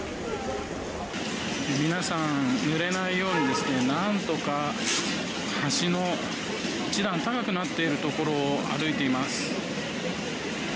皆さん、濡れないようになんとか端の一段高くなっているところを歩いています。